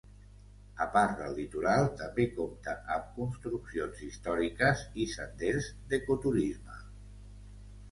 A part del litoral, també compta amb construccions històriques i senders d'ecoturisme.